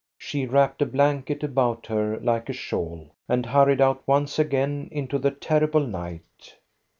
She wrapped a blanket about her like a shawl, and hurried out once again into the terrible night.